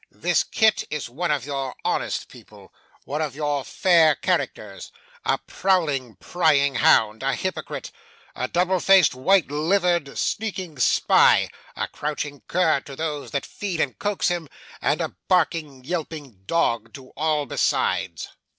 This Kit is one of your honest people; one of your fair characters; a prowling prying hound; a hypocrite; a double faced, white livered, sneaking spy; a crouching cur to those that feed and coax him, and a barking yelping dog to all besides.